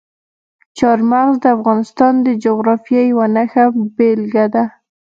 چار مغز د افغانستان د جغرافیې یوه ښه بېلګه ده.